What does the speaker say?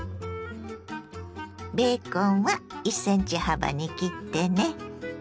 ベーコンは１ｃｍ幅に切ってね。